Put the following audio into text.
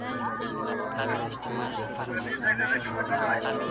چي مرگ سوى وو داسي مړی ئې نه وو کړى.